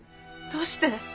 どうして？